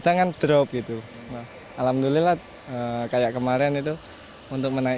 dan membuat timnasnya lebih tegas